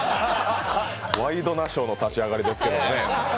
「ワイドなショー」の立ち上がりですけどね。